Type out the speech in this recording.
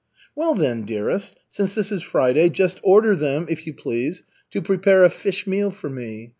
"Well, then, dearest, since this is Friday, just order them, if you please, to prepare a fish meal for me.